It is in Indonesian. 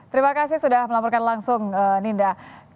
terima kasih sudah melaporkan langsung ninda